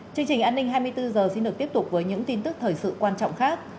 chương trình an ninh hai mươi bốn h xin được tiếp tục với những tin tức thời sự quan trọng khác